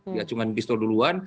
diacungkan pistol duluan